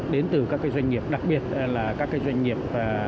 đến từ các doanh nghiệp đặc biệt là các doanh nghiệp